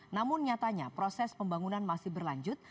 namun nyatanya proses pembangunan masih berlanjut